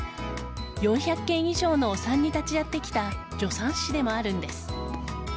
４００件以上のお産に立ち会ってきた助産師でもあるんです。